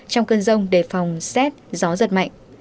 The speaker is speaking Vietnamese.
trong cơn rông đề phòng xét gió giật mạnh